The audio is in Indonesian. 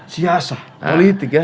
siasat politik ya